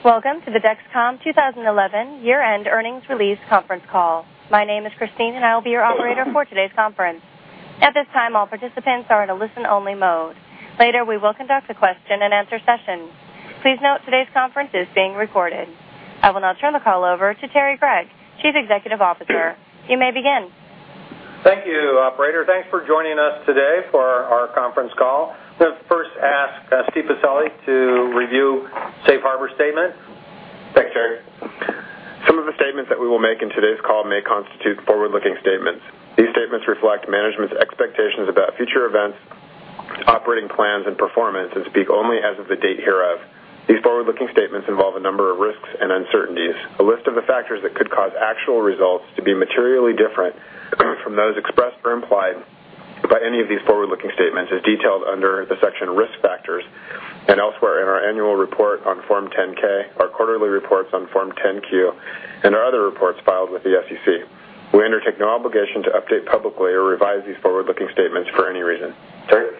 Welcome to the Dexcom 2011 year-end earnings release conference call. My name is Christine, and I will be your operator for today's conference. At this time, all participants are in a listen-only mode. Later, we will conduct a question-and-answer session. Please note today's conference is being recorded. I will now turn the call over to Terrance H. Gregg, Chief Executive Officer. You may begin. Thank you, operator. Thanks for joining us today for our conference call. I'm gonna first ask Steve Pacelli to review Safe Harbor statement. Thanks, Terry. Some of the statements that we will make in today's call may constitute forward-looking statements. These statements reflect management's expectations about future events, operating plans, and performance and speak only as of the date hereof. These forward-looking statements involve a number of risks and uncertainties. A list of the factors that could cause actual results to be materially different from those expressed or implied by any of these forward-looking statements is detailed under the section Risk Factors and elsewhere in our annual report on Form 10-K, our quarterly reports on Form 10-Q, and our other reports filed with the SEC. We undertake no obligation to update publicly or revise these forward-looking statements for any reason. Terry.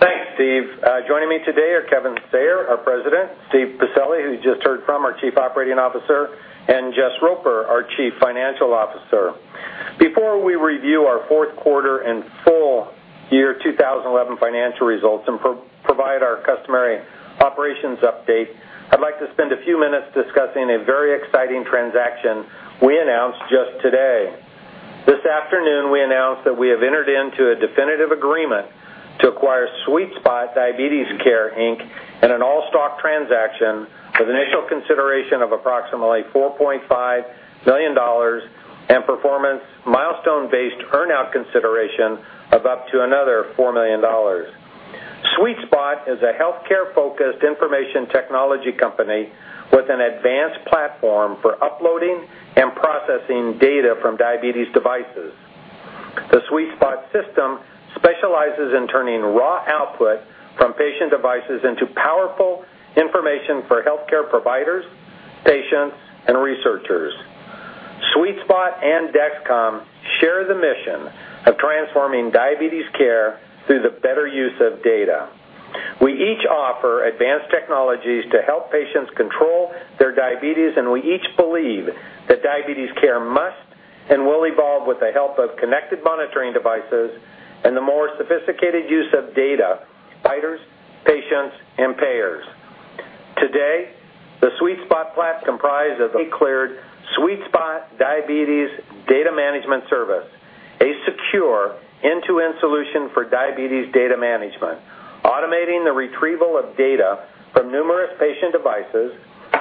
Thanks, Steve. Joining me today are Kevin Sayer, our President, Steve Pacelli, who you just heard from, our Chief Operating Officer, and Jess Roper, our Chief Financial Officer. Before we review our fourth quarter and full year 2011 financial results and provide our customary operations update, I'd like to spend a few minutes discussing a very exciting transaction we announced just today. This afternoon, we announced that we have entered into a definitive agreement to acquire SweetSpot Diabetes Care, Inc., in an all-stock transaction with initial consideration of approximately $4.5 million and performance milestone-based earn-out consideration of up to another $4 million. SweetSpot is a healthcare-focused information technology company with an advanced platform for uploading and processing data from diabetes devices. The SweetSpot system specializes in turning raw output from patient devices into powerful information for healthcare providers, patients, and researchers. SweetSpot and Dexcom share the mission of transforming diabetes care through the better use of data. We each offer advanced technologies to help patients control their diabetes, and we each believe that diabetes care must and will evolve with the help of connected monitoring devices and the more sophisticated use of data, providers, patients, and payers. Today, the SweetSpot platform comprised of a cleared SweetSpot Diabetes Data Management Service, a secure end-to-end solution for diabetes data management, automating the retrieval of data from numerous patient devices,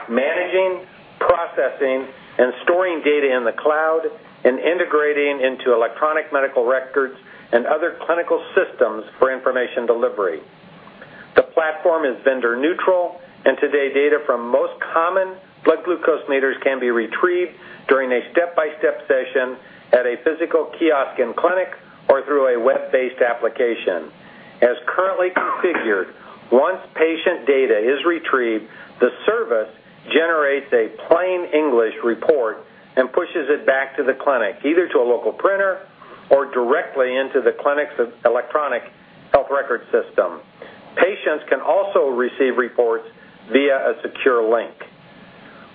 managing, processing, and storing data in the cloud, and integrating into electronic medical records and other clinical systems for information delivery. The platform is vendor neutral, and today, data from most common blood glucose meters can be retrieved during a step-by-step session at a physical kiosk in-clinic or through a web-based application. As currently configured, once patient data is retrieved, the service generates a plain English report and pushes it back to the clinic, either to a local printer or directly into the clinic's electronic health record system. Patients can also receive reports via a secure link.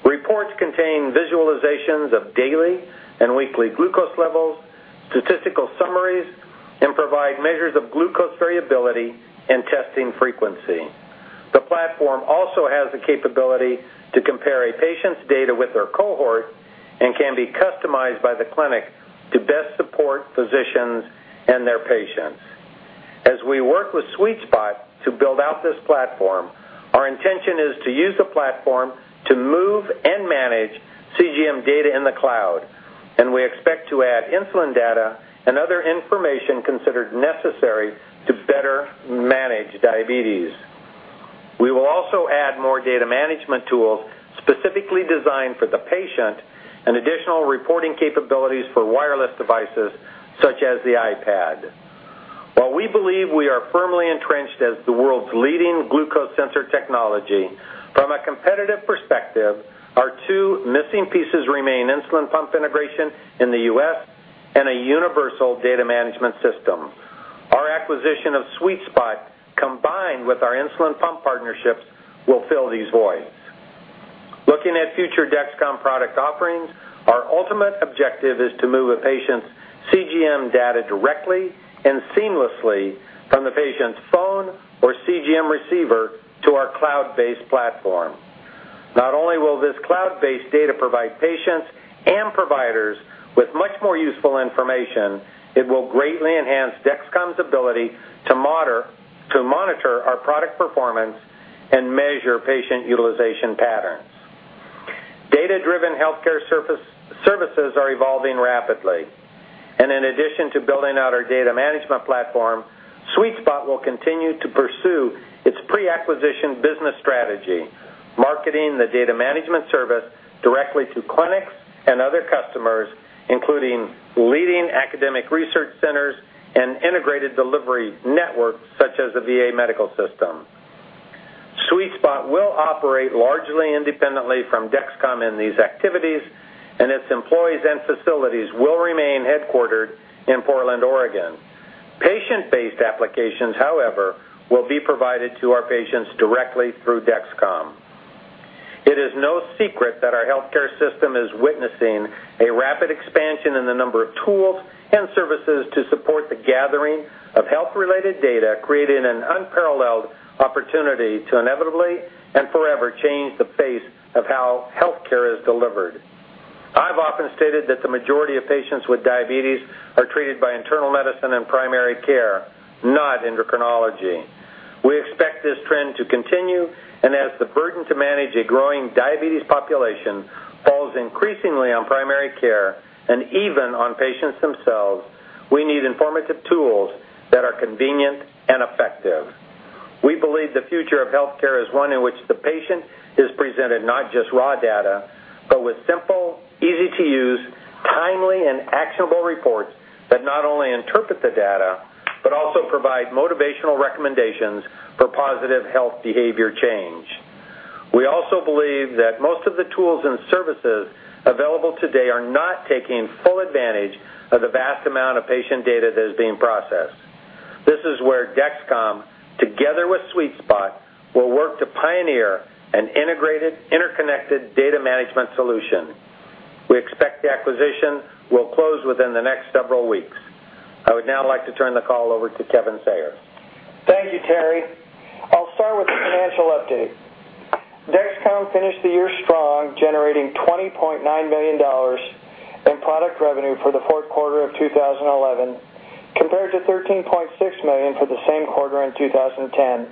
Reports contain visualizations of daily and weekly glucose levels, statistical summaries, and provide measures of glucose variability and testing frequency. The platform also has the capability to compare a patient's data with their cohort and can be customized by the clinic to best support physicians and their patients. As we work with SweetSpot to build out this platform, our intention is to use the platform to move and manage CGM data in the cloud, and we expect to add insulin data and other information considered necessary to better manage diabetes. We will also add more data management tools specifically designed for the patient and additional reporting capabilities for wireless devices such as the iPad. While we believe we are firmly entrenched as the world's leading glucose sensor technology, from a competitive perspective, our two missing pieces remain insulin pump integration in the U.S. and a universal data management system. Our acquisition of SweetSpot, combined with our insulin pump partnerships, will fill these voids. Looking at future Dexcom product offerings, our ultimate objective is to move a patient's CGM data directly and seamlessly from the patient's phone or CGM receiver to our cloud-based platform. Not only will this cloud-based data provide patients and providers with much more useful information, it will greatly enhance Dexcom's ability to monitor our product performance and measure patient utilization patterns. Data-driven healthcare services are evolving rapidly, and in addition to building out our data management platform, SweetSpot will continue to pursue its pre-acquisition business strategy, marketing the data management service directly to clinics and other customers, including leading academic research centers and integrated delivery networks such as the VA medical system. SweetSpot will operate largely independently from Dexcom in these activities, and its employees and facilities will remain headquartered in Portland, Oregon. Patient-based applications, however, will be provided to our patients directly through Dexcom. It is no secret that our healthcare system is witnessing a rapid expansion in the number of tools and services to support the gathering of health-related data, creating an unparalleled opportunity to inevitably and forever change the face of how healthcare is delivered. I've often stated that the majority of patients with diabetes are treated by internal medicine and primary care, not endocrinology. We expect this trend to continue, and as the burden to manage a growing diabetes population falls increasingly on primary care and even on patients themselves, we need informative tools that are convenient and effective. We believe the future of healthcare is one in which the patient is presented not just raw data, but with simple, easy-to-use, timely, and actionable reports that not only interpret the data, but also provide motivational recommendations for positive health behavior change. We also believe that most of the tools and services available today are not taking full advantage of the vast amount of patient data that is being processed. This is where Dexcom, together with SweetSpot, will work to pioneer an integrated, interconnected data management solution. We expect the acquisition will close within the next several weeks. I would now like to turn the call over to Kevin Sayer. Thank you, Terry. I'll start with the financial update. Dexcom finished the year strong, generating $20.9 million in product revenue for the fourth quarter of 2011, compared to $13.6 million for the same quarter in 2010,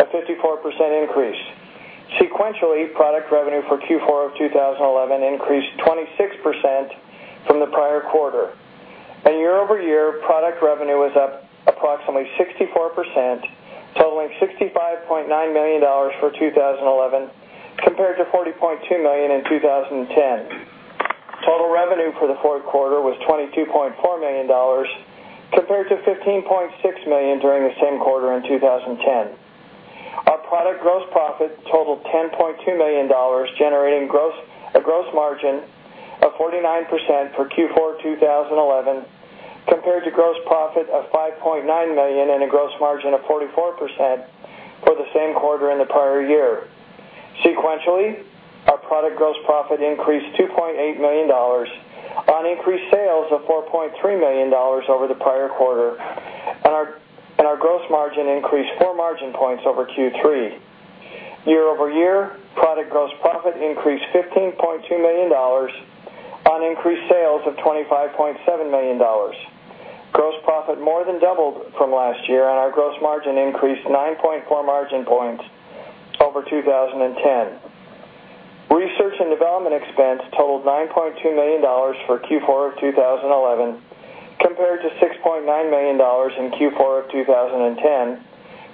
a 54% increase. Sequentially, product revenue for Q4 of 2011 increased 26% from the prior quarter. Year-over-year, product revenue was up approximately 64%, totaling $65.9 million for 2011, compared to $40.2 million in 2010. Total revenue for the fourth quarter was $22.4 million, compared to $15.6 million during the same quarter in 2010. Our product gross profit totaled $10.2 million, generating a gross margin of 49% for Q4 2011, compared to gross profit of $5.9 million and a gross margin of 44% for the same quarter in the prior year. Sequentially, our product gross profit increased $2.8 million on increased sales of $4.3 million over the prior quarter, and our gross margin increased 4 margin points over Q3. Year-over-year, product gross profit increased $15.2 million on increased sales of $25.7 million. Gross profit more than doubled from last year, and our gross margin increased 9.4 margin points over 2010. Research and development expense totaled $9.2 million for Q4 of 2011, compared to $6.9 million in Q4 of 2010,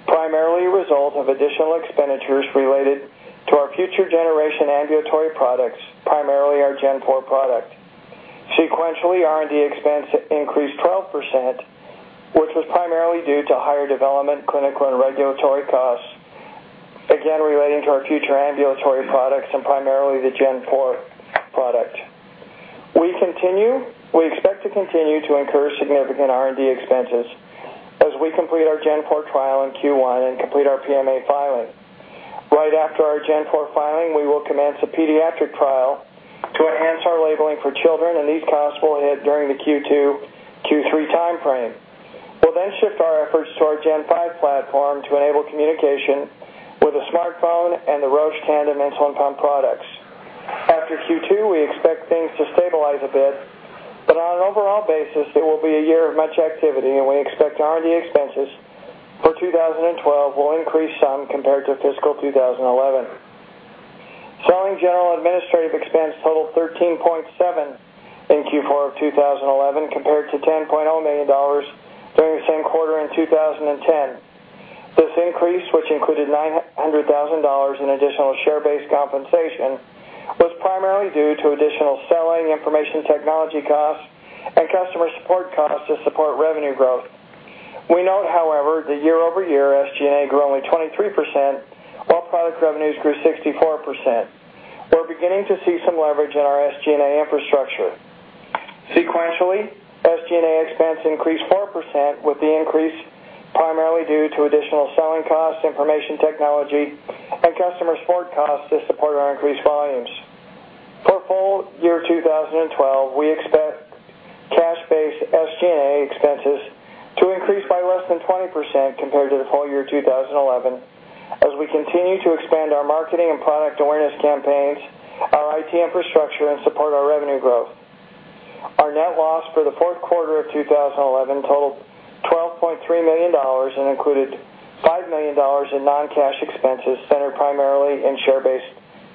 primarily a result of additional expenditures related to our future generation ambulatory products, primarily our G4 product. Sequentially, R&D expense increased 12%, which was primarily due to higher development, clinical, and regulatory costs, again relating to our future ambulatory products and primarily the G4 product. We expect to continue to incur significant R&D expenses as we complete our G4 trial in Q1 and complete our PMA filing. Right after our G4 filing, we will commence a pediatric trial to enhance our labeling for children, and these costs will hit during the Q2-Q3 timeframe. We'll shift our efforts to our G5 platform to enable communication with a smartphone and the Roche and Tandem insulin pump products. After Q2, we expect things to stabilize a bit, but on an overall basis, it will be a year of much activity, and we expect R&D expenses for 2012 will increase some compared to fiscal 2011. Selling, general and administrative expense totaled $13.7 million in Q4 of 2011 compared to $10 million during the same quarter in 2010. This increase, which included $900,000 in additional share-based compensation, was primarily due to additional selling information technology costs and customer support costs to support revenue growth. We note, however, that year-over-year, SG&A grew only 23%, while product revenues grew 64%. We're beginning to see some leverage in our SG&A infrastructure. Sequentially, SG&A expense increased 4%, with the increase primarily due to additional selling costs, information technology, and customer support costs to support our increased volumes. For full year 2012, we expect cash-based SG&A expenses to increase by less than 20% compared to the full year 2011 as we continue to expand our marketing and product awareness campaigns, our IT infrastructure, and support our revenue growth. Our net loss for the fourth quarter of 2011 totaled $12.3 million and included $5 million in non-cash expenses centered primarily in share-based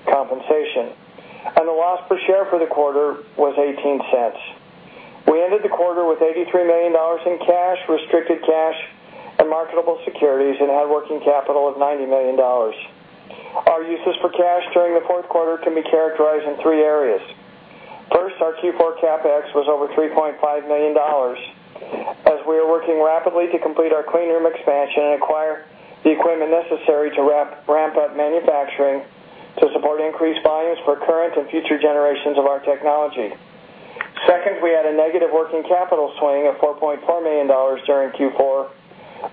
compensation, and the loss per share for the quarter was $0.18. We ended the quarter with $83 million in cash, restricted cash, and marketable securities and had working capital of $90 million. Our uses for cash during the fourth quarter can be characterized in three areas. First, our Q4 CapEx was over $3.5 million. As we are working rapidly to complete our clean room expansion and acquire the equipment necessary to ramp up manufacturing to support increased volumes for current and future generations of our technology. Second, we had a negative working capital swing of $4.4 million during Q4,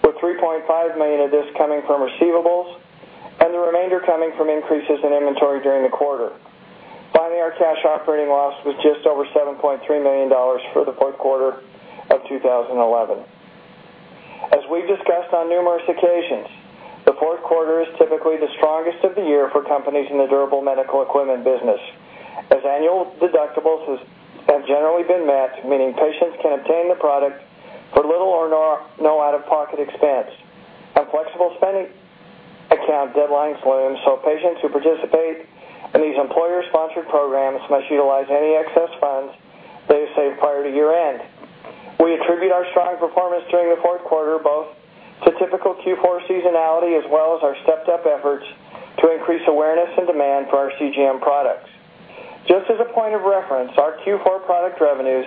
with $3.5 million of this coming from receivables and the remainder coming from increases in inventory during the quarter. Finally, our cash operating loss was just over $7.3 million for the fourth quarter of 2011. As we've discussed on numerous occasions, the fourth quarter is typically the strongest of the year for companies in the durable medical equipment business, as annual deductibles have generally been met, meaning patients can obtain the product for little or no out-of-pocket expense. Flexible spending account deadlines loom, so patients who participate in these employer-sponsored programs must utilize any excess funds they've saved prior to year-end. We attribute our strong performance during the fourth quarter both to typical Q4 seasonality as well as our stepped-up efforts to increase awareness and demand for our CGM products. Just as a point of reference, our Q4 product revenues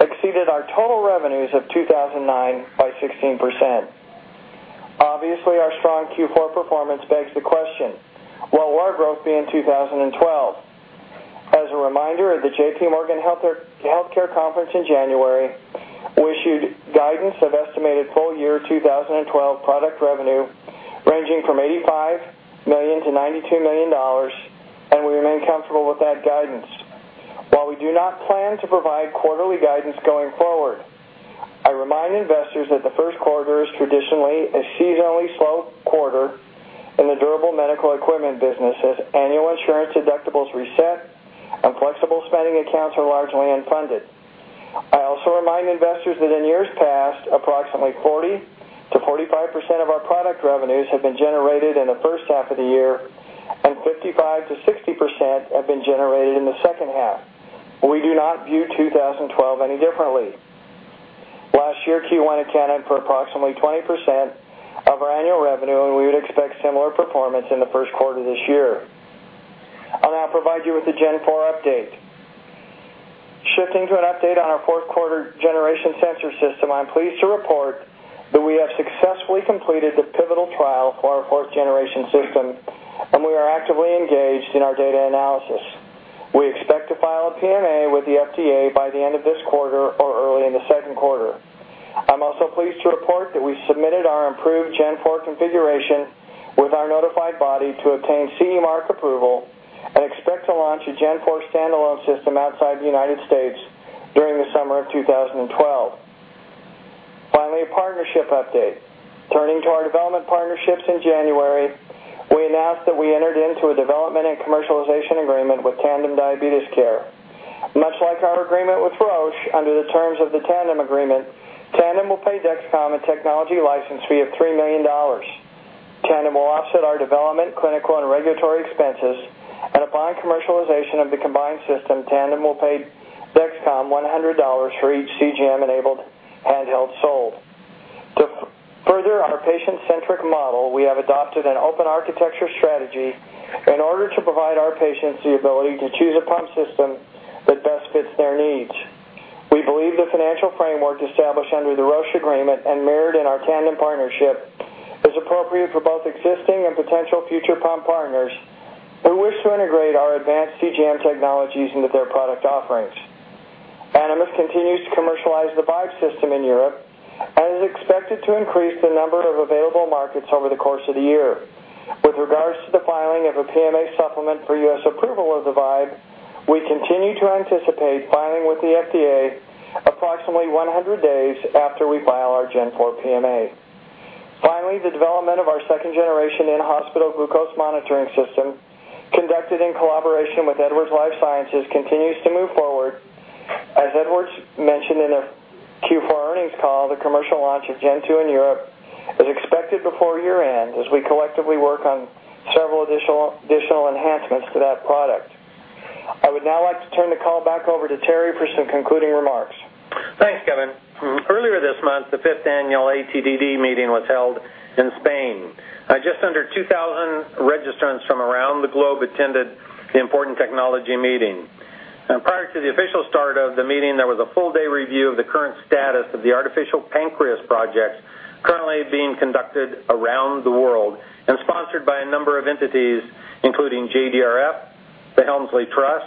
exceeded our total revenues of 2009 by 16%. Obviously, our strong Q4 performance begs the question: what will our growth be in 2012? As a reminder, at the JPMorgan Healthcare Conference in January, we issued guidance of estimated full year 2012 product revenue ranging from $85 million-$92 million, and we remain comfortable with that guidance. While we do not plan to provide quarterly guidance going forward, I remind investors that the first quarter is traditionally a seasonally slow quarter in the durable medical equipment business, as annual insurance deductibles reset and flexible spending accounts are largely unfunded. I also remind investors that in years past, approximately 40%-45% of our product revenues have been generated in the first half of the year, and 55%-60% have been generated in the second half. We do not view 2012 any differently. Last year, Q1 accounted for approximately 20% of our annual revenue, and we would expect similar performance in the first quarter this year. I'll now provide you with the G4 update. Shifting to an update on our fourth-generation sensor system, I'm pleased to report that we have successfully completed the pivotal trial for our fourth generation system, and we are actively engaged in our data analysis. We expect to file a PMA with the FDA by the end of this quarter or early in the second quarter. I'm also pleased to report that we submitted our improved G4 configuration with our notified body to obtain CE mark approval and expect to launch a G4 standalone system outside the United States during the summer of 2012. Finally, partnership update. Turning to our development partnerships in January, we announced that we entered into a development and commercialization agreement with Tandem Diabetes Care. Much like our agreement with Roche, under the terms of the Tandem agreement, Tandem will pay Dexcom a technology license fee of $3 million. Tandem will offset our development, clinical, and regulatory expenses, and upon commercialization of the combined system, Tandem will pay Dexcom $100 for each CGM-enabled handheld sold. To further our patient-centric model, we have adopted an open architecture strategy in order to provide our patients the ability to choose a pump system that best fits their needs. We believe the financial framework established under the Roche agreement and mirrored in our Tandem partnership is appropriate for both existing and potential future pump partners who wish to integrate our advanced CGM technologies into their product offerings. Animas continues to commercialize the Vibe System in Europe and is expected to increase the number of available markets over the course of the year. With regards to the filing of a PMA supplement for U.S. approval of the Vibe, we continue to anticipate filing with the FDA approximately 100 days after we file our Gen 4 PMA. Finally, the development of our second generation in-hospital glucose monitoring system, conducted in collaboration with Edwards Lifesciences, continues to move forward. As Edwards mentioned in a Q4 earnings call, the commercial launch of Gen 2 in Europe is expected before year-end as we collectively work on several additional enhancements to that product. I would now like to turn the call back over to Terry for some concluding remarks. Thanks, Kevin. Earlier this month, the fifth annual ATTD meeting was held in Spain. Just under 2,000 registrants from around the globe attended the important technology meeting. Prior to the official start of the meeting, there was a full day review of the current status of the artificial pancreas projects currently being conducted around the world and sponsored by a number of entities, including JDRF, the Helmsley Trust,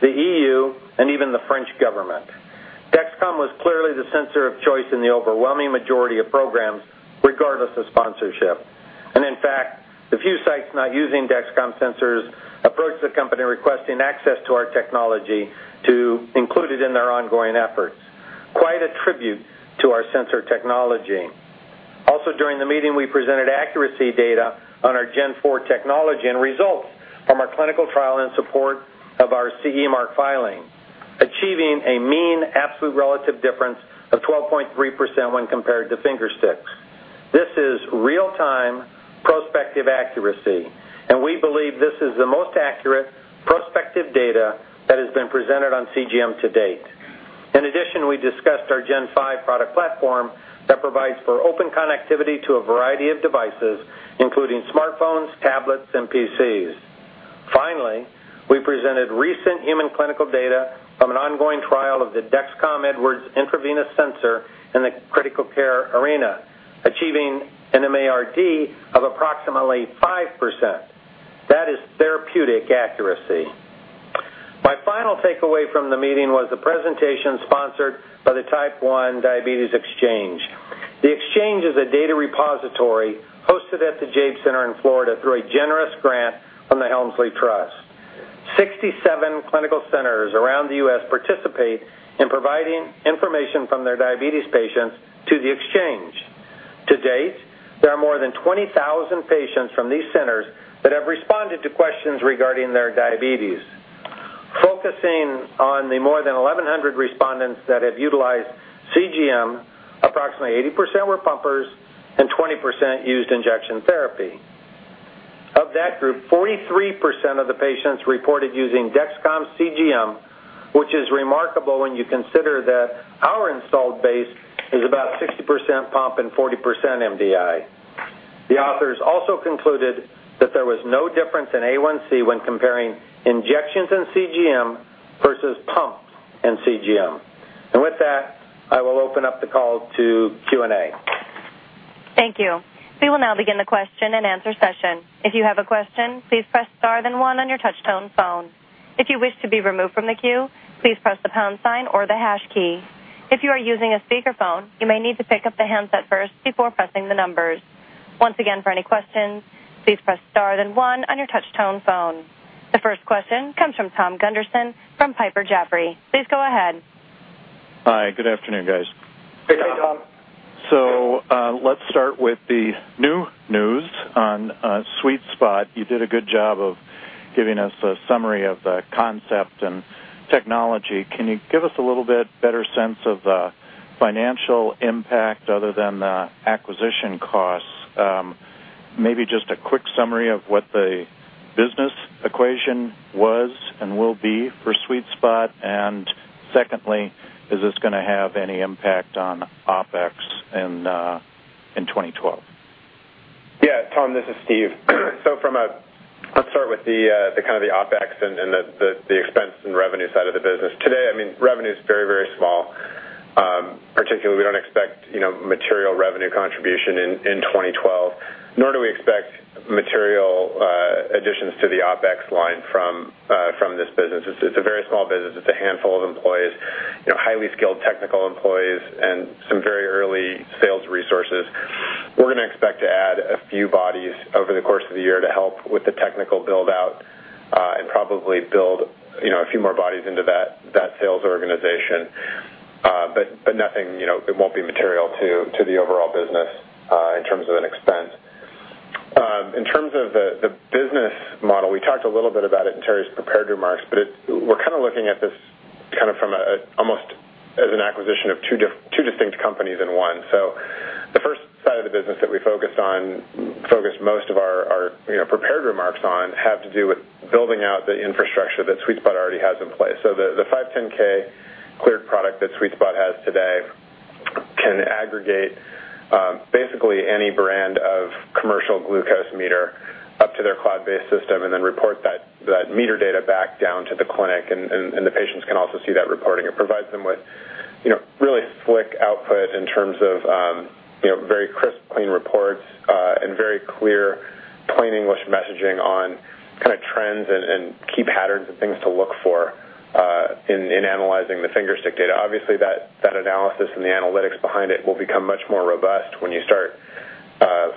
the EU, and even the French government. Dexcom was clearly the sensor of choice in the overwhelming majority of programs, regardless of sponsorship. In fact, the few sites not using Dexcom sensors approached the company requesting access to our technology to include it in their ongoing efforts. Quite a tribute to our sensor technology. Also, during the meeting, we presented accuracy data on our G4 technology and results from our clinical trial in support of our CE mark filing, achieving a mean absolute relative difference of 12.3% when compared to finger sticks. This is real-time prospective accuracy, and we believe this is the most accurate prospective data that has been presented on CGM to date. In addition, we discussed our G5 product platform that provides for open connectivity to a variety of devices, including smartphones, tablets, and PCs. Finally, we presented recent human clinical data from an ongoing trial, the Dexcom Edwards Intravenous Sensor in the critical care arena, achieving a MARD of approximately 5%. That is therapeutic accuracy. My final takeaway from the meeting was the presentation sponsored by the T1D Exchange. The exchange is a data repository hosted at the Jaeb Center in Florida through a generous grant from the Helmsley Trust. 67 clinical centers around the U.S. participate in providing information from their diabetes patients to the exchange. To date, there are more than 20,000 patients from these centers that have responded to questions regarding their diabetes. Focusing on the more than 1,100 respondents that have utilized CGM, approximately 80% were pumpers and 20% used injection therapy. Of that group, 43% of the patients reported using Dexcom CGM, which is remarkable when you consider that our installed base is about 60% pump and 40% MDI. The authors also concluded that there was no difference in A1C when comparing injections and CGM versus pumps and CGM. With that, I will open up the call to Q&A. Thank you. We will now begin the question and answer session. If you have a question, please press Star then one on your touchtone phone. If you wish to be removed from the queue, please press the pound sign or the hash key. If you are using a speakerphone, you may need to pick up the handset first before pressing the numbers. Once again, for any questions, please press Star then one on your touchtone phone. The first question comes from Tom Gunderson from Piper Jaffray. Please go ahead. Hi. Good afternoon, guys. Hey, Tom. Let's start with the new news on SweetSpot. You did a good job of giving us a summary of the concept and technology. Can you give us a little bit better sense of the financial impact other than the acquisition costs? Maybe just a quick summary of what the business equation was and will be for SweetSpot. And secondly, is this gonna have any impact on OpEx in 2012? Yeah. Tom, this is Steve. Let's start with the kind of OpEx and the expense and revenue side of the business. Today, I mean, revenue is very, very small. Particularly, we don't expect, you know, material revenue contribution in 2012, nor do we expect material additions to the OpEx line from this business. It's a very small business. It's a handful of employees, you know, highly skilled technical employees and some very early sales resources. We're gonna expect to add a few bodies over the course of the year to help with the technical build-out and probably build, you know, a few more bodies into that sales organization. Nothing, you know, it won't be material to the overall business in terms of an expense. In terms of the business model, we talked a little bit about it in Terry's prepared remarks, but we're kind of looking at this kind of from almost as an acquisition of 2 distinct companies in one. The first side of the business that we focused most of our you know prepared remarks on have to do with building out the infrastructure that SweetSpot already has in place. The 510(k) cleared product that SweetSpot has today can aggregate basically any brand of commercial glucose meter up to their cloud-based system and then report that meter data back down to the clinic, and the patients can also see that reporting. It provides them with, you know, really slick output in terms of, you know, very crisp, clean reports, and very clear, plain English messaging on kind of trends and key patterns and things to look for, in analyzing the finger stick data. Obviously that analysis and the analytics behind it will become much more robust when you start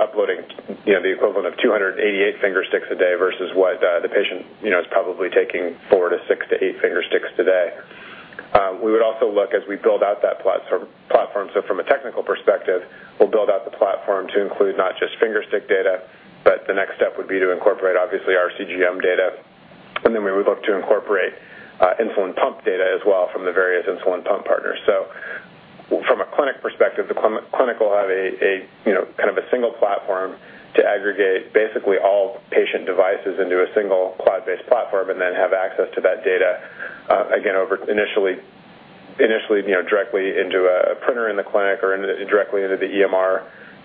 uploading, you know, the equivalent of 288 finger sticks a day versus what the patient, you know, is probably taking four to six to eight finger sticks today. We would also look as we build out that platform. From a technical perspective, we'll build out the platform to include not just finger stick data, but the next step would be to incorporate obviously our CGM data, and then we would look to incorporate insulin pump data as well from the various insulin pump partners. From a clinic perspective, the clinic will have a you know kind of a single platform to aggregate basically all patient devices into a single cloud-based platform and then have access to that data again over initially you know directly into a printer in the clinic or directly into the EMR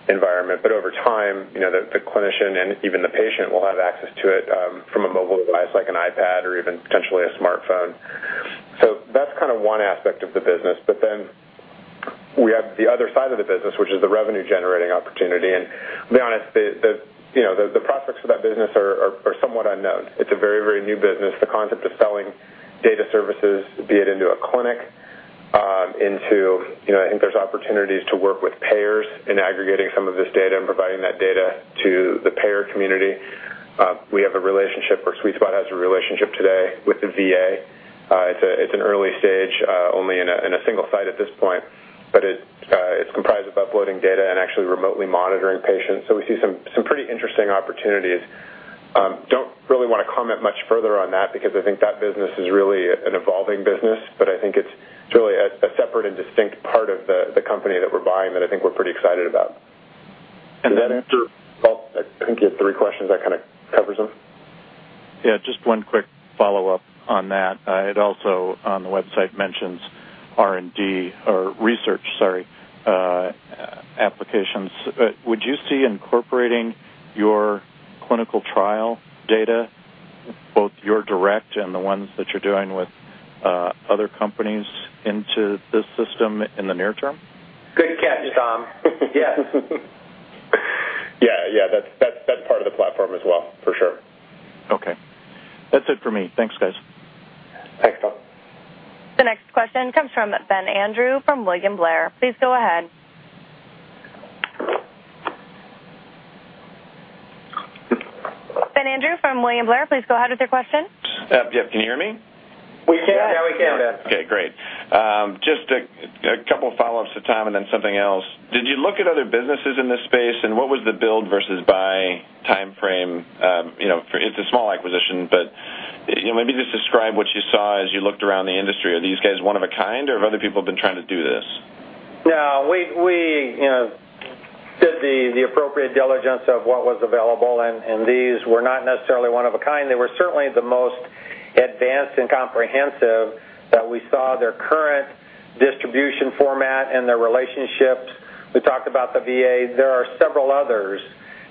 environment. Over time you know the clinician and even the patient will have access to it from a mobile device like an iPad or even potentially a smartphone. That's kind of one aspect of the business. We have the other side of the business, which is the revenue generating opportunity. To be honest, the prospects for that business are somewhat unknown. It's a very new business. The concept of selling data services, be it into a clinic, you know, I think there's opportunities to work with payers in aggregating some of this data and providing that data to the payer community. We have a relationship where SweetSpot has a relationship today with the VA. It's an early stage, only in a single site at this point, but it's comprised of uploading data and actually remotely monitoring patients. We see some pretty interesting opportunities. Don't really wanna comment much further on that because I think that business is really an evolving business, but I think it's really a separate and distinct part of the company that we're buying that I think we're pretty excited about. And then after- Well, I think you have three questions that kind of covers them. Yeah, just one quick follow-up on that. It also on the website mentions R&D or research, sorry, applications. Would you see incorporating your clinical trial data Both your direct and the ones that you're doing with other companies into this system in the near term? Good catch, Tom. Yes. Yeah. That's part of the platform as well, for sure. Okay. That's it for me. Thanks, guys. Thanks, Tom. The next question comes from Ben Andrewes from William Blair. Please go ahead. Ben Andrewes from William Blair, please go ahead with your question. Yep. Can you hear me? We can. Yeah, we can, Ben. Okay, great. Just a couple follow-ups to Tom and then something else. Did you look at other businesses in this space, and what was the build versus buy timeframe? You know, it's a small acquisition, but you know, maybe just describe what you saw as you looked around the industry. Are these guys one of a kind, or have other people been trying to do this? No, we you know did the appropriate diligence of what was available. These were not necessarily one of a kind. They were certainly the most advanced and comprehensive that we saw their current distribution format and their relationships. We talked about the VA. There are several others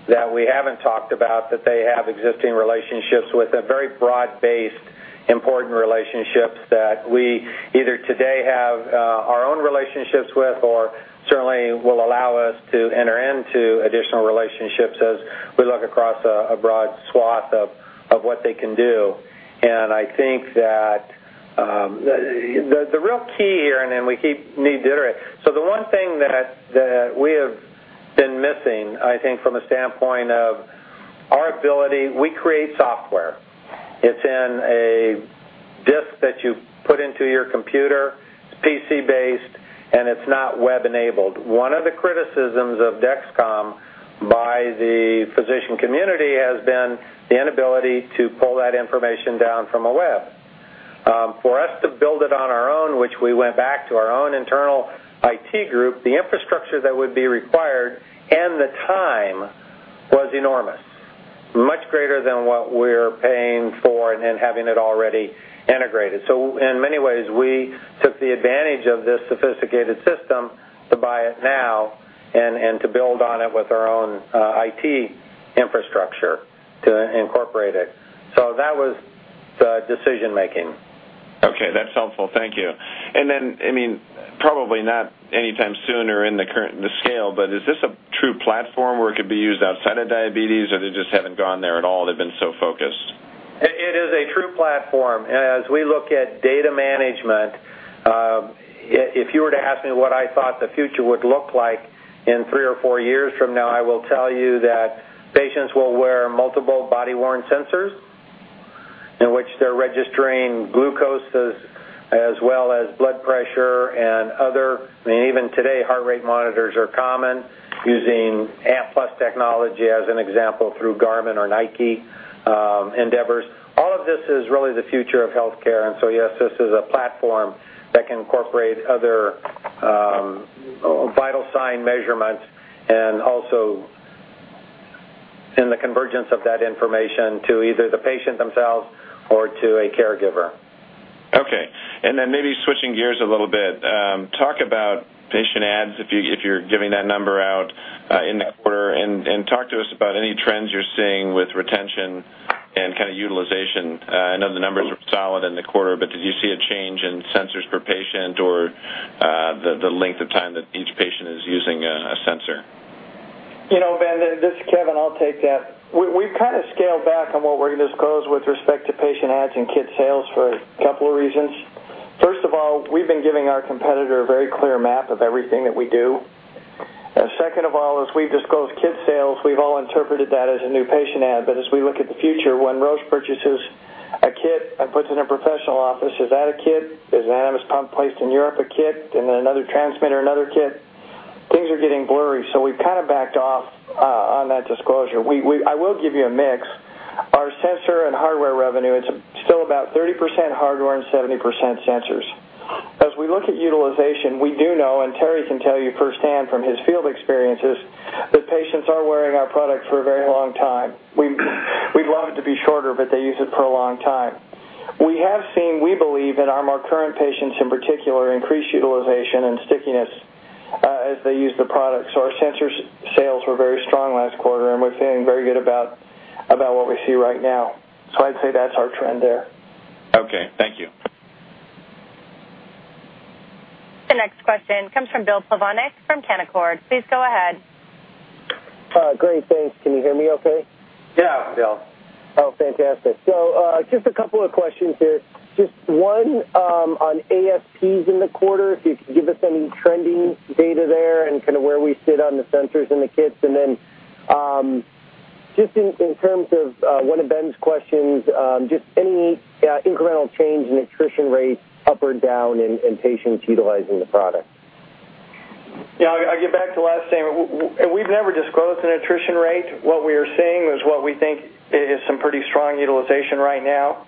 that we haven't talked about that they have existing relationships with, a very broad-based, important relationships that we either today have our own relationships with or certainly will allow us to enter into additional relationships as we look across a broad swath of what they can do. I think that the real key here, and then we keep need to iterate. The one thing that we have been missing, I think from a standpoint of our ability, we create software. It's in a disk that you put into your computer, it's PC-based, and it's not web-enabled. One of the criticisms of Dexcom by the physician community has been the inability to pull that information down from a web. For us to build it on our own, which we went back to our own internal IT group, the infrastructure that would be required and the time was enormous. Much greater than what we're paying for and having it already integrated. In many ways, we took the advantage of this sophisticated system to buy it now and to build on it with our own IT infrastructure to incorporate it. That was the decision-making. Okay, that's helpful. Thank you. I mean, probably not anytime soon or in the current, the scale, but is this a true platform where it could be used outside of diabetes, or they just haven't gone there at all, they've been so focused? It is a true platform. As we look at data management, if you were to ask me what I thought the future would look like in three or four years from now, I will tell you that patients will wear multiple body-worn sensors in which they're registering glucose as well as blood pressure and other. I mean, even today, heart rate monitors are common using ANT+ technology, as an example, through Garmin or Nike endeavors. All of this is really the future of healthcare. Yes, this is a platform that can incorporate other vital sign measurements and also in the convergence of that information to either the patient themselves or to a caregiver. Okay. Maybe switching gears a little bit, talk about patient adds, if you, if you're giving that number out, in the quarter. Talk to us about any trends you're seeing with retention and kind of utilization. I know the numbers looked solid in the quarter, but did you see a change in sensors per patient or, the length of time that each patient is using a sensor? You know, Ben, this is Kevin. I'll take that. We've kind of scaled back on what we're going to disclose with respect to patient adds and kit sales for a couple of reasons. First of all, we've been giving our competitor a very clear map of everything that we do. Second of all, as we've disclosed kit sales, we've all interpreted that as a new patient add. As we look at the future, when Roche purchases a kit and puts it in a professional office, is that a kit? Is the Animas pump placed in Europe a kit? And then another transmitter, another kit? Things are getting blurry, so we've kind of backed off on that disclosure. I will give you a mix. Our sensor and hardware revenue, it's still about 30% hardware and 70% sensors. As we look at utilization, we do know, and Terry can tell you firsthand from his field experiences, that patients are wearing our product for a very long time. We'd love it to be shorter, but they use it for a long time. We have seen, we believe in our more current patients in particular, increased utilization and stickiness as they use the product. Our sensor sales were very strong last quarter, and we're feeling very good about what we see right now. I'd say that's our trend there. Okay, thank you. The next question comes from Bill Plovanic from Canaccord Genuity. Please go ahead. Great, thanks. Can you hear me okay? Yeah, Bill. Oh, fantastic. Just a couple of questions here. Just one, on ASPs in the quarter, if you could give us any trending data there and kind of where we sit on the sensors and the kits. Just in terms of one of Ben's questions, just any incremental change in attrition rates up or down in patients utilizing the product? Yeah, I get back to last statement. We've never disclosed an attrition rate. What we are seeing is what we think is some pretty strong utilization right now.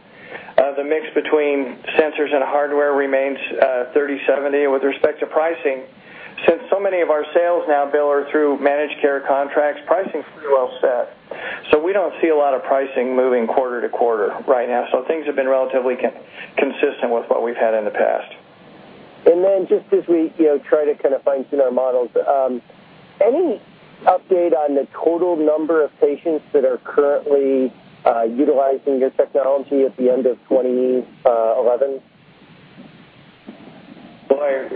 The mix between sensors and hardware remains 30-70. With respect to pricing, since so many of our sales now, Bill, are through managed care contracts, pricing is pretty well set. We don't see a lot of pricing moving quarter to quarter right now. Things have been relatively consistent with what we've had in the past. Just as we, you know, try to kind of fine-tune our models, any update on the total number of patients that are currently utilizing your technology at the end of 2011? Boy.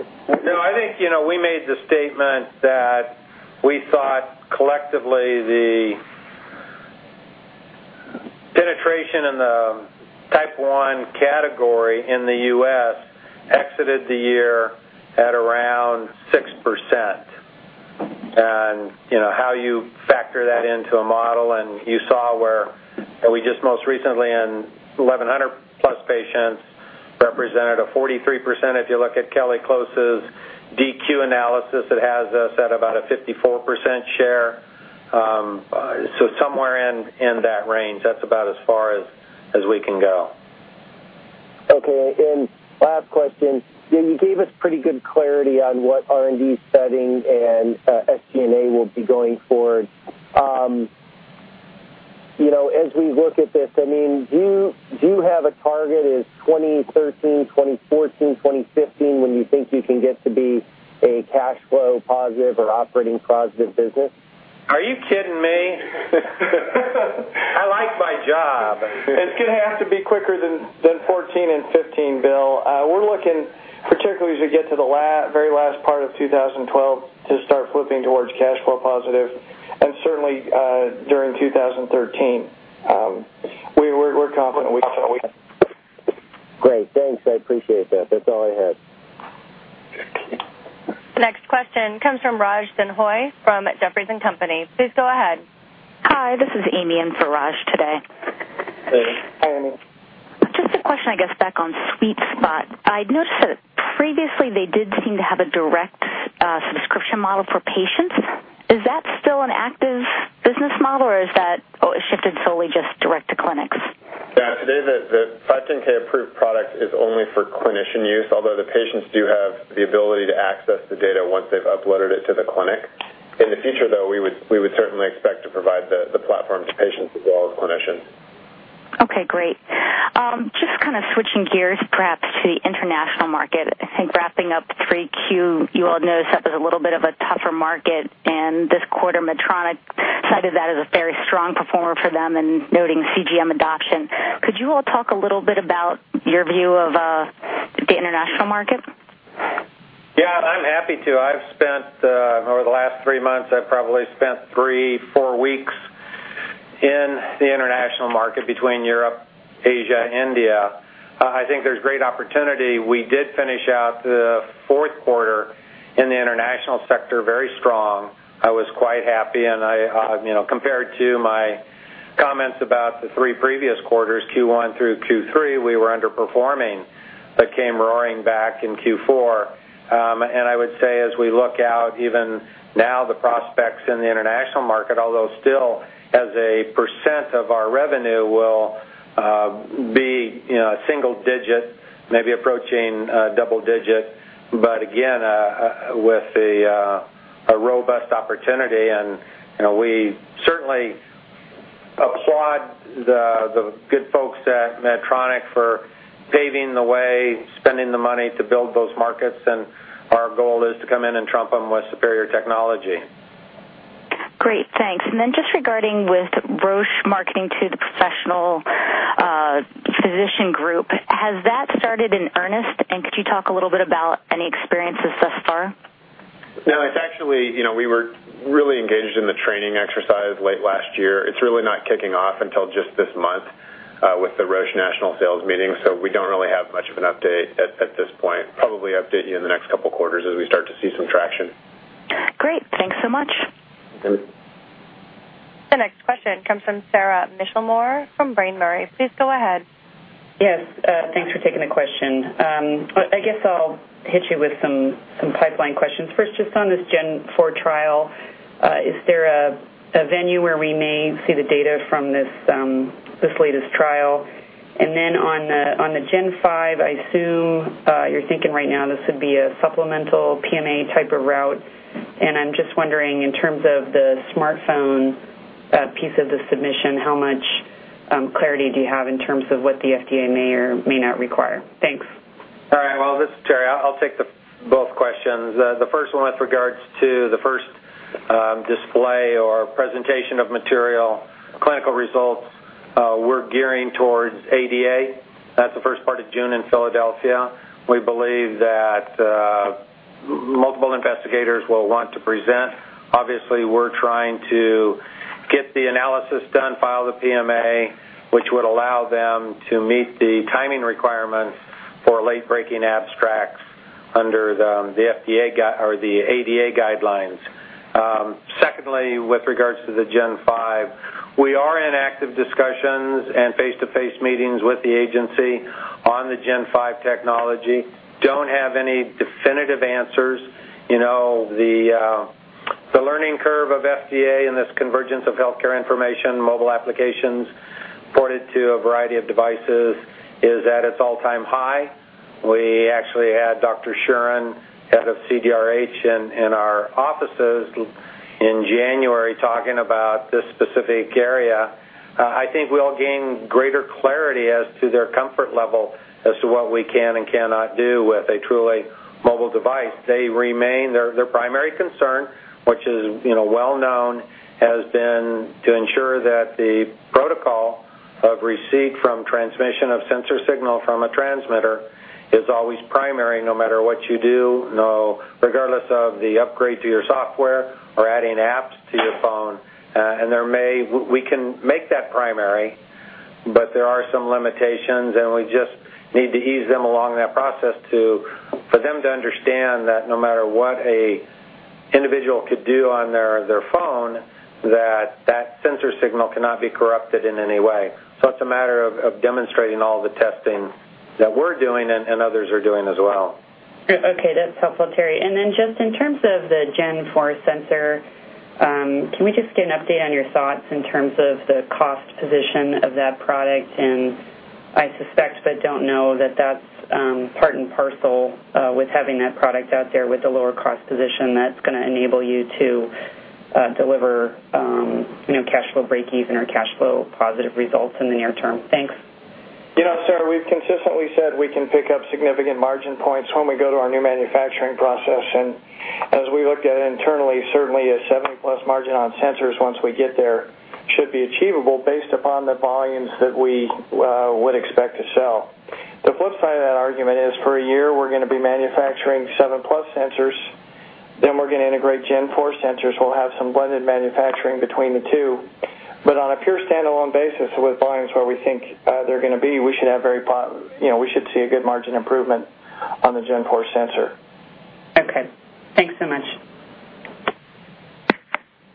No, I think, you know, we made the statement that we thought collectively the penetration in the Type one category in the U.S. exited the year at around 6%. You know how you factor that into a model and you saw where we just most recently in 1,100+ patients represented a 43%. If you look at Kelly Close's diaTribe analysis, it has us at about a 54% share. So somewhere in that range, that's about as far as we can go. Okay. Last question, you gave us pretty good clarity on what R&D spending and SG&A will be going forward. You know, as we look at this, I mean, do you have a target as 2013, 2014, 2015 when you think you can get to be a cash flow positive or operating positive business? Are you kidding me? I like my job. It's gonna have to be quicker than 2014 and 2015, Bill. We're looking particularly as we get to the very last part of 2012 to start flipping towards cash flow positive and certainly during 2013. We're confident. Great, thanks. I appreciate that. That's all I had. Okay. The next question comes from Raj Denhoy from Jefferies & Company. Please go ahead. Hi, this is Amy in for Raj today. Hey, Amy. Just a question, I guess back on SweetSpot. I'd noticed that previously they did seem to have a direct subscription model for patients. Is that still an active business model or is that shifted solely just direct to clinics? Yeah, today the 510(k) approved product is only for clinician use, although the patients do have the ability to access the data once they've uploaded it to the clinic. In the future, though, we would certainly expect to provide the platform to patients as well as clinicians. Okay, great. Just kind of switching gears perhaps to the international market. I think wrapping up 3Q, you all noticed that was a little bit of a tougher market and this quarter Medtronic cited that as a very strong performer for them and noting CGM adoption. Could you all talk a little bit about your view of the international market? Yeah, I'm happy to. Over the last three months, I've probably spent three to four weeks in the international market between Europe, Asia, India. I think there's great opportunity. We did finish out the fourth quarter in the international sector very strong. I was quite happy and I, you know, compared to my comments about the three previous quarters, Q1 through Q3 we were underperforming but came roaring back in Q4. I would say as we look out even now the prospects in the international market, although still as a % of our revenue will be, you know, single digit, maybe approaching double digit. Again, with a robust opportunity and, you know, we certainly applaud the good folks at Medtronic for paving the way, spending the money to build those markets. Our goal is to come in and trump them with superior technology. Great, thanks. Just regarding with Roche marketing to the professional physician group, has that started in earnest? Could you talk a little bit about any experiences thus far? No, it's actually, you know, we were really engaged in the training exercise late last year. It's really not kicking off until just this month with the Roche national sales meeting. We don't really have much of an update at this point. Probably update you in the next couple quarters as we start to see some traction. Great. Thanks so much. Okay. The next question comes from Sara Michelmore from Brean Murray. Please go ahead. Yes, thanks for taking the question. I guess I'll hit you with some pipeline questions. First, just on this G4 trial, is there a venue where we may see the data from this latest trial? Then on the G5, I assume you're thinking right now this would be a supplemental PMA type of route. I'm just wondering in terms of the smartphone piece of the submission, how much clarity do you have in terms of what the FDA may or may not require? Thanks. All right. Well this is Terry. I'll take both questions. The first one with regards to the first display or presentation of material clinical results, we're gearing towards ADA. That's the first part of June in Philadelphia. We believe that multiple investigators will want to present. Obviously, we're trying to get the analysis done, file the PMA, which would allow them to meet the timing requirements for late-breaking abstracts under the FDA or the ADA guidelines. Secondly, with regards to the G5, we are in active discussions and face-to-face meetings with the agency on the G5 technology. Don't have any definitive answers. You know, the learning curve of FDA in this convergence of healthcare information, mobile applications ported to a variety of devices is at its all-time high. We actually had Dr. Dr. Shuren, head of CDRH in our offices in January, talking about this specific area, I think we all gain greater clarity as to their comfort level as to what we can and cannot do with a truly mobile device. Their primary concern remains, which is, you know, well known, has been to ensure that the protocol of receipt and transmission of sensor signal from a transmitter is always primary, no matter what you do. Regardless of the upgrade to your software or adding apps to your phone, we can make that primary, but there are some limitations, and we just need to ease them along that process for them to understand that no matter what an individual could do on their phone, that sensor signal cannot be corrupted in any way. It's a matter of demonstrating all the testing that we're doing and others are doing as well. Okay. That's helpful, Terry. Then just in terms of the G4 sensor, can we just get an update on your thoughts in terms of the cost position of that product? I suspect, but don't know that that's part and parcel with having that product out there with the lower cost position that's gonna enable you to deliver you know, cash flow breakeven or cash flow positive results in the near term. Thanks. You know, Sara, we've consistently said we can pick up significant margin points when we go to our new manufacturing process. As we looked at internally, certainly a 70+ margin on sensors once we get there should be achievable based upon the volumes that we would expect to sell. The flip side of that argument is for a year, we're gonna be manufacturing 7+ sensors, then we're gonna integrate Gen 4 sensors. We'll have some blended manufacturing between the two. On a pure standalone basis with volumes where we think they're gonna be, you know, we should see a good margin improvement on the Gen 4 sensor. Okay. Thanks so much.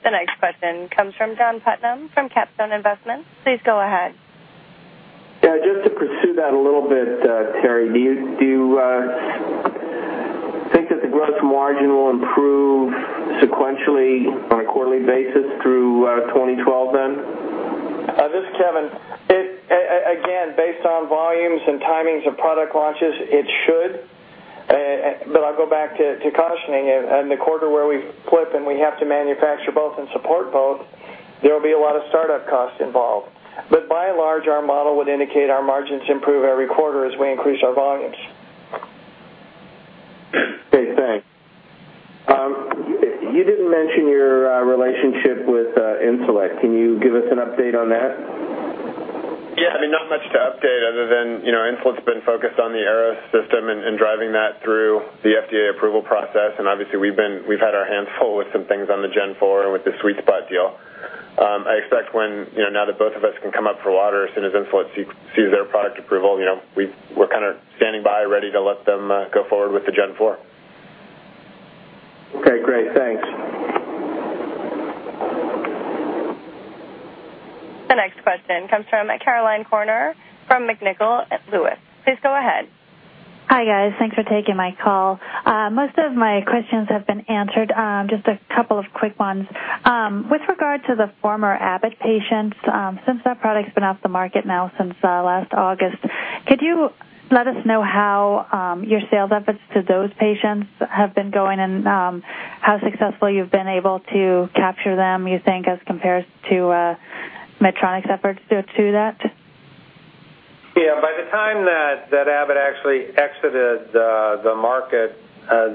The next question comes from John Putnam from Capstone Investments. Please go ahead. Yeah, just to pursue that a little bit, Terry, do you think that the gross margin will improve sequentially on a quarterly basis through 2012 then? This is Kevin. Again, based on volumes and timings of product launches, it should. I'll go back to cautioning and the quarter where we flip, and we have to manufacture both and support both, there will be a lot of startup costs involved. By and large, our model would indicate our margins improve every quarter as we increase our volumes. Okay, thanks. You didn't mention your relationship with Insulet. Can you give us an update on that? Yeah. I mean, not much to update other than, you know, Insulet's been focused on the OmniPod System and driving that through the FDA approval process. Obviously we've had our hands full with some things on the Gen 4 with the SweetSpot deal. I expect when, you know, now that both of us can come up for air as soon as Insulet sees their product approval, you know, we're kind of standing by ready to let them go forward with the Gen 4. Okay, great. Thanks. The next question comes from Caroline Corner from MLV & Co. Please go ahead. Hi, guys. Thanks for taking my call. Most of my questions have been answered. Just a couple of quick ones. With regard to the former Abbott patients, since that product's been off the market now since last August, could you let us know how your sales efforts to those patients have been going and how successful you've been able to capture them, you think, as compared to Medtronic's efforts to that? Yeah. By the time that Abbott actually exited the market,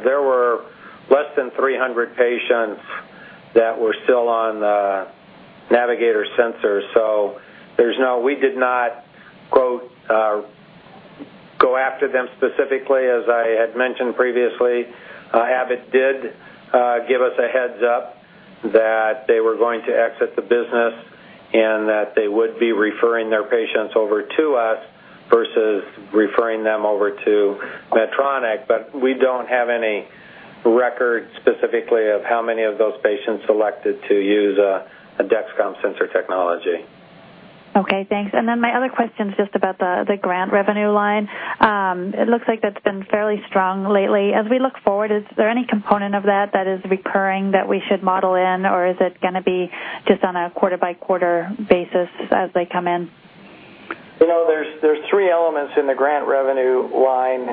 there were less than 300 patients that were still on the Navigator sensor. We did not go after them specifically. As I had mentioned previously, Abbott did give us a heads up that they were going to exit the business and that they would be referring their patients over to us versus referring them over to Medtronic. We don't have any record specifically of how many of those patients selected to use a Dexcom sensor technology. Okay, thanks. My other question is just about the grant revenue line. It looks like that's been fairly strong lately. As we look forward, is there any component of that that is recurring that we should model in, or is it gonna be just on a quarter-by-quarter basis as they come in? You know, there's three elements in the grant revenue line.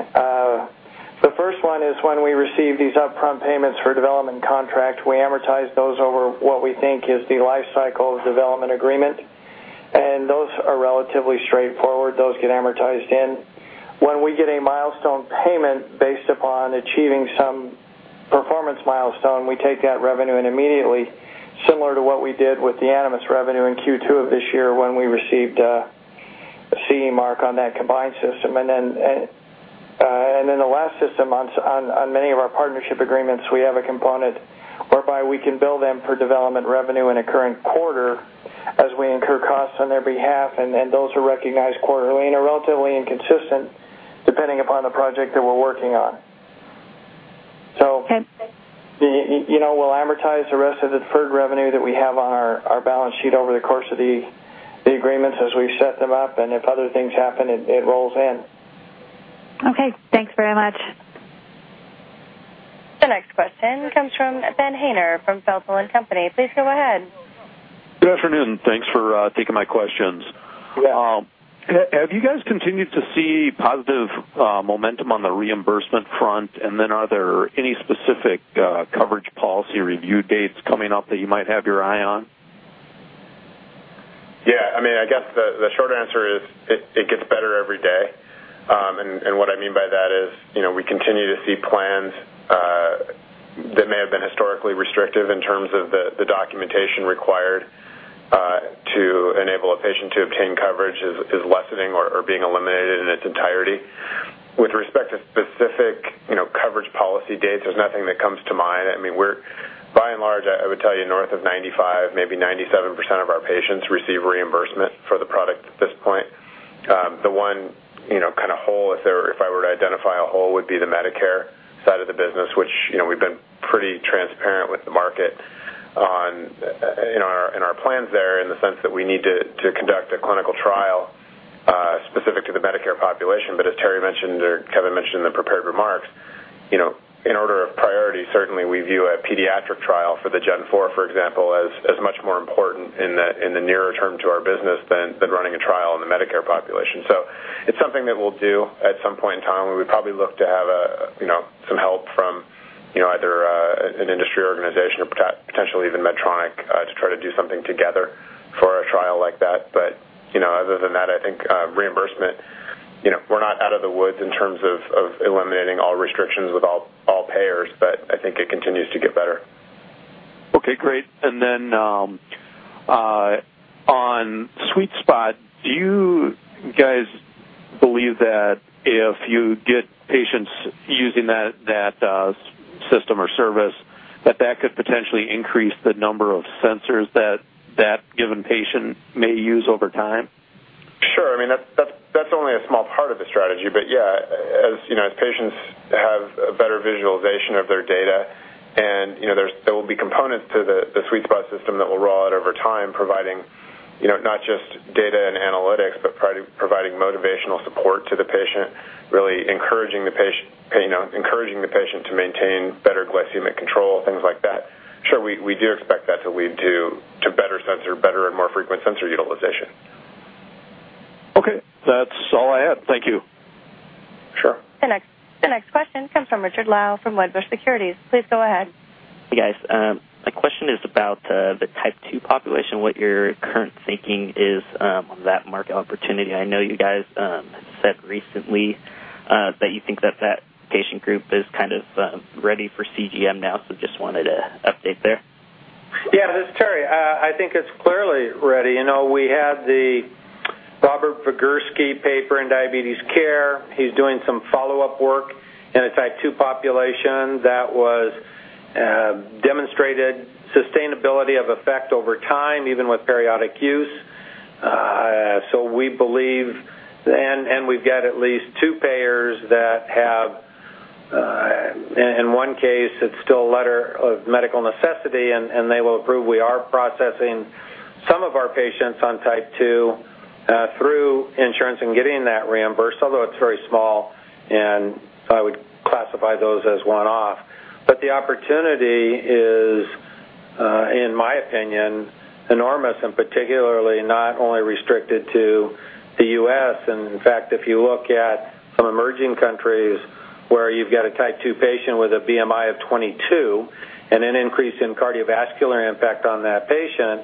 The first one is when we receive these upfront payments for development contract. We amortize those over what we think is the life cycle of development agreement, and those are relatively straightforward. Those get amortized in. When we get a milestone payment based upon achieving some performance milestone, we take that revenue and immediately, similar to what we did with the Animas revenue in Q2 of this year when we received a CE mark on that combined system. Then, the last system on many of our partnership agreements, we have a component whereby we can bill them for development revenue in a current quarter as we incur costs on their behalf. Those are recognized quarterly and are relatively inconsistent depending upon the project that we're working on. Okay. You know, we'll amortize the rest of the deferred revenue that we have on our balance sheet over the course of the agreements as we set them up. If other things happen, it rolls in. Okay. Thanks very much. The next question comes from Ben Haynor from Feltl and Company. Please go ahead. Good afternoon. Thanks for taking my questions. Yeah. Have you guys continued to see positive momentum on the reimbursement front? Are there any specific coverage policy review dates coming up that you might have your eye on? Yeah. I mean, I guess the short answer is it gets better every day. And what I mean by that is, you know, we continue to see plans that may have been historically restrictive in terms of the documentation required to enable a patient to obtain coverage is lessening or being eliminated in its entirety. With respect to specific, you know, coverage policy dates, there's nothing that comes to mind. I mean, we're by and large, I would tell you north of 95%, maybe 97% of our patients receive reimbursement for the product at this point. The one, you know, kind of hole if I were to identify a hole would be the Medicare side of the business, which, you know, we've been pretty transparent with the market on, in our plans there in the sense that we need to conduct a clinical trial specific to the Medicare population. As Terry mentioned or Kevin mentioned in the prepared remarks, you know, in order of priority, certainly we view a pediatric trial for the G4, for example, as much more important in the nearer term to our business than running a trial in the Medicare population. It's something that we'll do at some point in time, and we probably look to have a, you know, some help from, you know, either an industry organization or potentially even Medtronic to try to do something together for a trial like that. But, you know, other than that, I think, reimbursement, you know, we're not out of the woods in terms of eliminating all restrictions with all payers, but I think it continues to get better. Okay, great. On SweetSpot, do you guys believe that if you get patients using that, system or service, that could potentially increase the number of sensors that given patient may use over time? Sure. I mean, that's only a small part of the strategy. Yeah, as you know, as patients have a better visualization of their data and, you know, there will be components to the SweetSpot system that will roll out over time, providing, you know, not just data and analytics, but providing motivational support to the patient, really encouraging the patient, you know, encouraging the patient to maintain better glycemic control, things like that. Sure. We do expect that to lead to better sensor, better and more frequent sensor utilization. Okay. That's all I had. Thank you. Sure. The next question comes from Richard Lau from Wedbush Securities. Please go ahead. Hey, guys. My question is about the type 2 population, what your current thinking is on that market opportunity. I know you guys said recently that you think that patient group is kind of ready for CGM now, so just wanted an update there. Yeah. This is Terry. I think it's clearly ready. You know, we had the Robert Vigersky paper in Diabetes Care. He's doing some follow-up work in a type 2 population that demonstrated sustainability of effect over time, even with periodic use. We believe. We've got at least two payers that have, in one case, it's still a letter of medical necessity, and they will approve. We are processing some of our patients on type 2 through insurance and getting that reimbursed, although it's very small, and I would classify those as one-off. The opportunity is, in my opinion, enormous, and particularly not only restricted to the U.S. In fact, if you look at some emerging countries where you've got a Type 2 patient with a BMI of 22 and an increase in cardiovascular impact on that patient,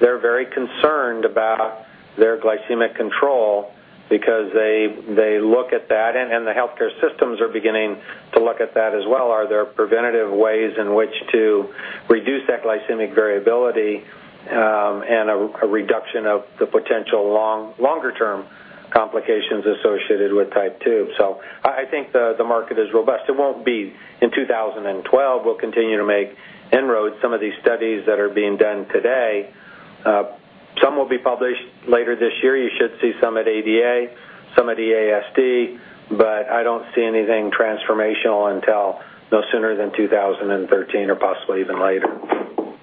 they're very concerned about their glycemic control because they look at that, and the healthcare systems are beginning to look at that as well. Are there preventative ways in which to reduce that glycemic variability, and a reduction of the potential longer term complications associated with Type 2? I think the market is robust. It won't be in 2012. We'll continue to make inroads. Some of these studies that are being done today, some will be published later this year. You should see some at ADA, some at EASD, but I don't see anything transformational until no sooner than 2013 or possibly even later.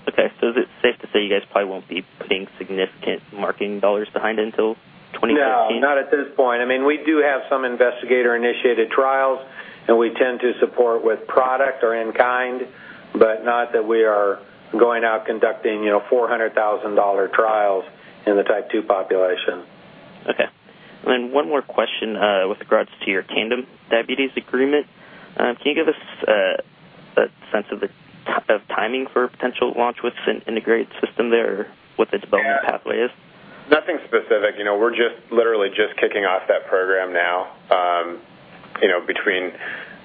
Okay. Is it safe to say you guys probably won't be putting significant marketing dollars behind until 2015? No, not at this point. I mean, we do have some investigator-initiated trials, and we tend to support with product or in kind, but not that we are going out conducting, you know, $400,000 trials in the type 2 population. Okay. Then one more question with regards to your Tandem Diabetes agreement. Can you give us a sense of the timing for a potential launch with integrated system there or what the development pathway is? Yeah. Nothing specific. You know, we're just literally kicking off that program now, you know, between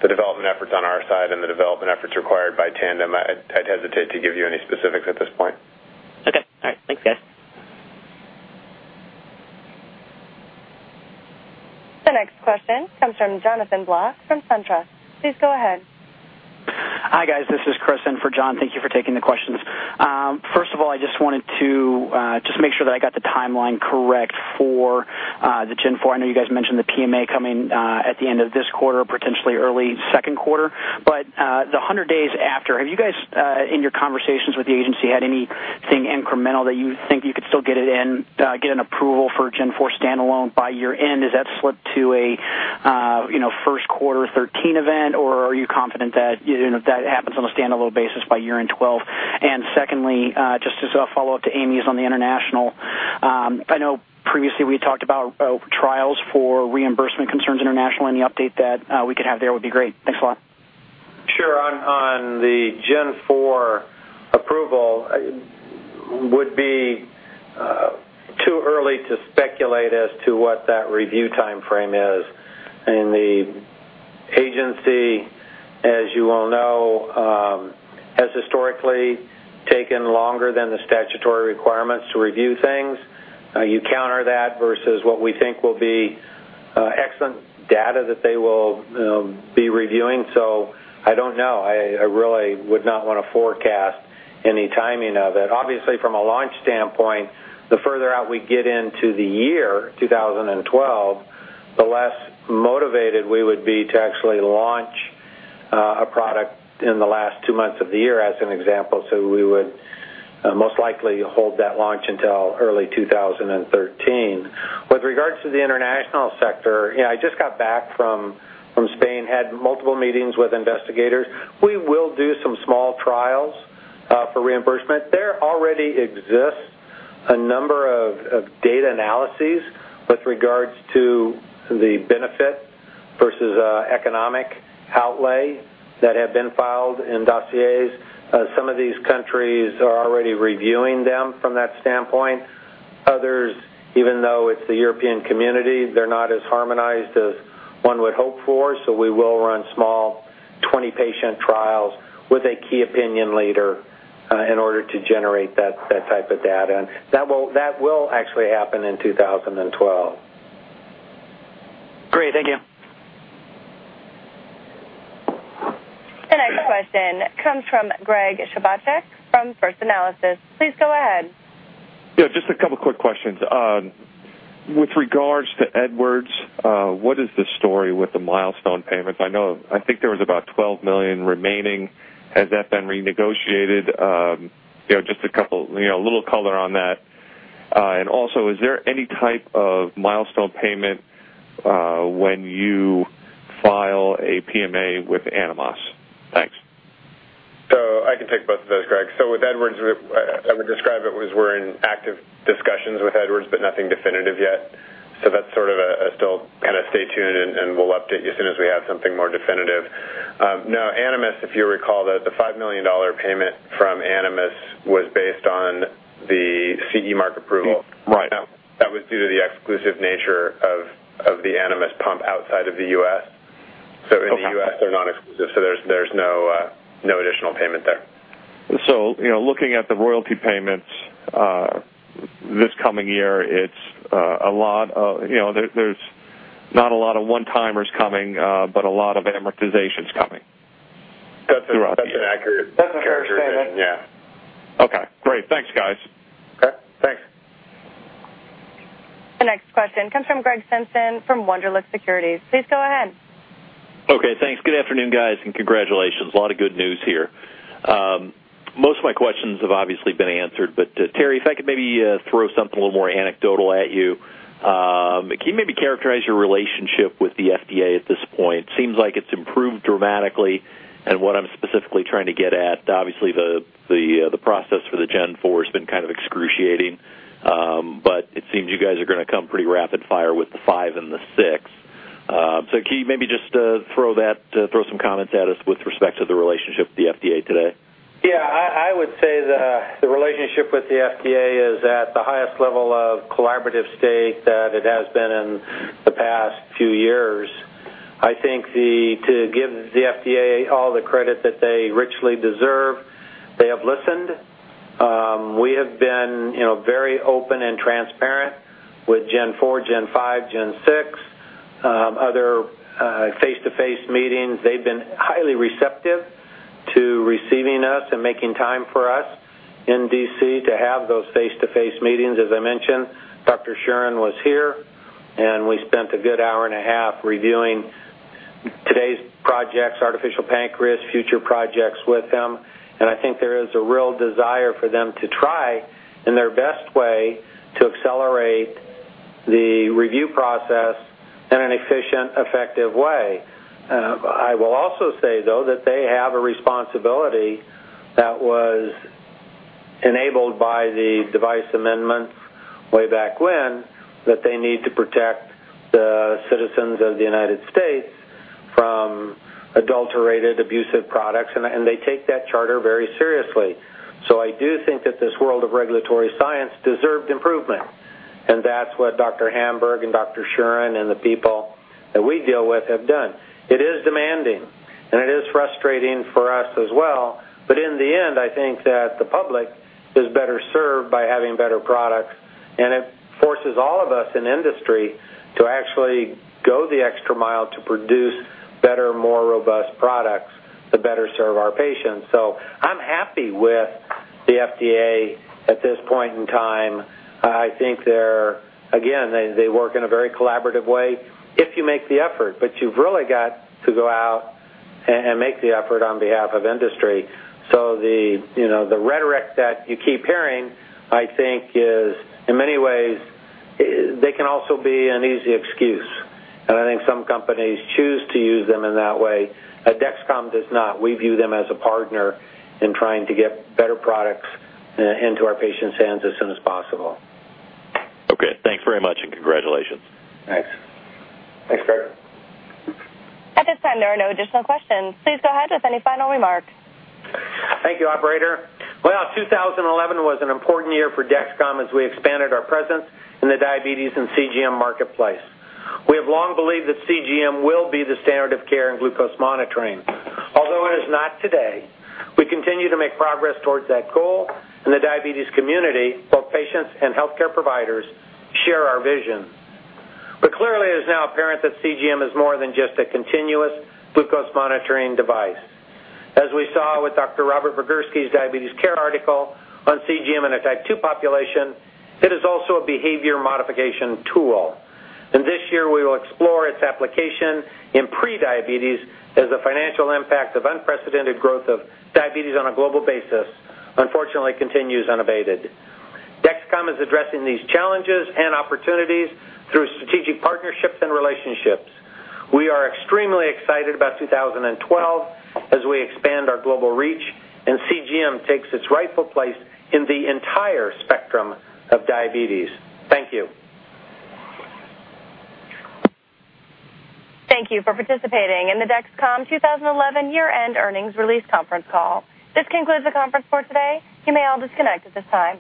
the development efforts on our side and the development efforts required by Tandem. I'd hesitate to give you any specifics at this point. Okay. All right. Thanks, guys. The next question comes from Jonathan Block from SunTrust. Please go ahead. Hi, guys. This is Chris in for John. Thank you for taking the questions. First of all, I just wanted to just make sure that I got the timeline correct for the G4. I know you guys mentioned the PMA coming at the end of this quarter, potentially early second quarter. The 100 days after, have you guys in your conversations with the agency, had anything incremental that you think you could still get it in get an approval for G4 standalone by year-end? Has that slipped to a you know first quarter 2013 event, or are you confident that you know that happens on a standalone basis by year-end 2012? And secondly, just as a follow-up to Amy's on the international. I know previously we had talked about trials for reimbursement concerns international. Any update that, we could have there would be great. Thanks a lot. Sure. On the G4 approval would be too early to speculate as to what that review timeframe is. The agency, as you all know, has historically taken longer than the statutory requirements to review things. You counter that versus what we think will be excellent data that they will be reviewing. I don't know. I really would not wanna forecast any timing of it. Obviously, from a launch standpoint, the further out we get into the year 2012, the less motivated we would be to actually launch a product in the last two months of the year, as an example. We would most likely hold that launch until early 2013. With regards to the international sector, you know, I just got back from Spain, had multiple meetings with investigators. We will do some small trials for reimbursement. There already exists a number of data analyses with regards to the benefit versus economic outlay that have been filed in dossiers. Some of these countries are already reviewing them from that standpoint. Others, even though it's the European community, they're not as harmonized as one would hope for. We will run small 20-patient trials with a key opinion leader in order to generate that type of data. That will actually happen in 2012. Great. Thank you. The next question comes from Gregory Chwierut from First Analysis. Please go ahead. Yeah, just a couple of quick questions. With regards to Edwards, what is the story with the milestone payments? I know, I think there was about $12 million remaining. Has that been renegotiated? You know, just a couple, you know, a little color on that. And also, is there any type of milestone payment when you file a PMA with Animas? Thanks. I can take both of those, Greg. With Edwards Lifesciences, I would describe it as we're in active discussions with Edwards Lifesciences, but nothing definitive yet. That's sort of a still kinda stay tuned, and we'll update you as soon as we have something more definitive. Now Animas, if you recall that the $5 million payment from Animas was based on the CE mark approval. Right. That was due to the exclusive nature of the Animas pump outside of the U.S. In the U.S., they're not exclusive, so there's no additional payment there. You know, looking at the royalty payments this coming year, it's a lot, you know, there's not a lot of one-timers coming, but a lot of amortizations coming. That's an accurate characterization. That's a fair statement. Yeah. Okay, great. Thanks, guys. Okay, thanks. The next question comes from Gregory Simpson from Wunderlich Securities. Please go ahead. Okay, thanks. Good afternoon, guys, and congratulations. A lot of good news here. Most of my questions have obviously been answered, but Terry, if I could maybe throw something a little more anecdotal at you. Can you maybe characterize your relationship with the FDA at this point? Seems like it's improved dramatically. What I'm specifically trying to get at, obviously the process for the G4 has been kind of excruciating, but it seems you guys are gonna come pretty rapid fire with the five and the six. So can you maybe just throw some comments at us with respect to the relationship with the FDA today? Yeah, I would say the relationship with the FDA is at the highest level of collaborative state that it has been in the past few years. I think to give the FDA all the credit that they richly deserve, they have listened. We have been, you know, very open and transparent with G4, G5, G6. Other face-to-face meetings. They've been highly receptive to receiving us and making time for us in D.C. to have those face-to-face meetings. As I mentioned, Dr. Shuren was here, and we spent a good hour and a half reviewing today's projects, artificial pancreas, future projects with him, and I think there is a real desire for them to try in their best way to accelerate the review process in an efficient, effective way. I will also say, though, that they have a responsibility that was enabled by the device amendments way back when that they need to protect the citizens of the United States from adulterated, abusive products, and they take that charter very seriously. I do think that this world of regulatory science deserved improvement, and that's what Dr. Hamburg and Dr. Shuren and the people that we deal with have done. It is demanding, and it is frustrating for us as well. In the end, I think that the public is better served by having better products, and it forces all of us in industry to actually go the extra mile to produce better, more robust products to better serve our patients. I'm happy with the FDA at this point in time. I think they're, again, they work in a very collaborative way if you make the effort. You've really got to go out and make the effort on behalf of industry. You know, the rhetoric that you keep hearing, I think is in many ways, they can also be an easy excuse. I think some companies choose to use them in that way. Dexcom does not. We view them as a partner in trying to get better products into our patients' hands as soon as possible. Okay, thanks very much and congratulations. Thanks. Thanks, Greg. At this time, there are no additional questions. Please go ahead with any final remarks. Thank you, operator. Well, 2011 was an important year for Dexcom as we expanded our presence in the diabetes and CGM marketplace. We have long believed that CGM will be the standard of care in glucose monitoring. Although it is not today, we continue to make progress towards that goal, and the diabetes community, both patients and healthcare providers, share our vision. Clearly, it is now apparent that CGM is more than just a continuous glucose monitoring device. As we saw with Dr. Robert Vigersky's Diabetes Care article on CGM in a type 2 population, it is also a behavior modification tool. This year, we will explore its application in prediabetes as the financial impact of unprecedented growth of diabetes on a global basis, unfortunately continues unabated. Dexcom is addressing these challenges and opportunities through strategic partnerships and relationships. We are extremely excited about 2012 as we expand our global reach and CGM takes its rightful place in the entire spectrum of diabetes. Thank you. Thank you for participating in the Dexcom 2011 year-end earnings release conference call. This concludes the conference for today. You may all disconnect at this time.